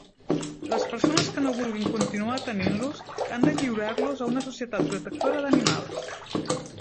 Les persones que no vulguin continuar tenint-los han de lliurar-los a una societat protectora d'animals.